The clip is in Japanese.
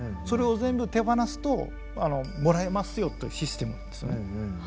それを全部手放すともらえますよというシステムなんですよね。